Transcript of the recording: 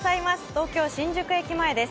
東京・新宿駅前です。